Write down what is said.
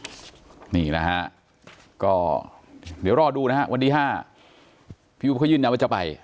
อืมนี่แหละฮะก็เดี๋ยวรอดูนะฮะวันดี๕พี่อู๋เขายืนนะว่าจะไป